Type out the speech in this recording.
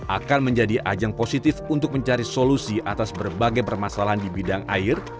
akan menjadi ajang positif untuk mencari solusi atas berbagai permasalahan di bidang air